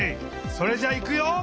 それじゃいくよ。